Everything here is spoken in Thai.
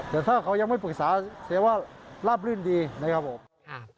แต่ถ้าเขายังไม่ปรึกษาเสียว่าราบรื่นดีนะครับผม